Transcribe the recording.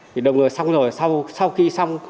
thì đồng người xong rồi sau khi xong